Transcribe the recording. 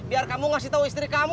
biar kamu ngasih tahu istri kamu